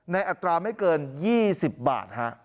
อัตราไม่เกิน๒๐บาท